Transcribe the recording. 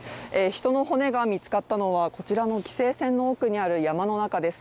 人の骨が見つかったのはこちらの規制線の奥にある山の中です。